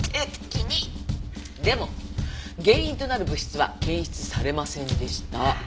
でも原因となる物質は検出されませんでした。